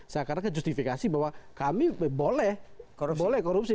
saya kira justifikasi bahwa kami boleh korupsi